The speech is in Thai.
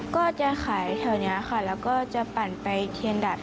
ก็จะขายแถวนี้ค่ะแล้วก็จะปั่นไปเทียนดัด